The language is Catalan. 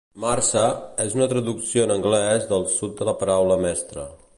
"Marse" és una traducció en anglès del sud de la paraula "mestre".